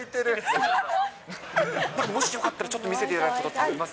もしよかったら、ちょっと見せていただくことできます？